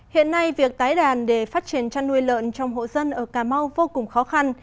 hiện nay việc tái đàn để phát triển chăn nuôi lợn trong hộ dân ở cà mau vô cùng khó khăn